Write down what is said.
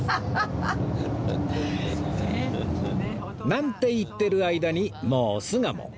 なんて言ってる間にもう巣鴨